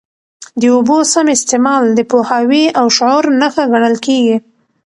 د اوبو سم استعمال د پوهاوي او شعور نښه ګڼل کېږي.